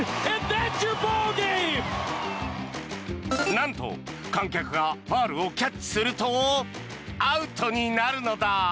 なんと観客がファウルをキャッチするとアウトになるのだ。